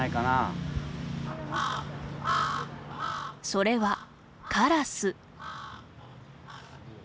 それは、カラス。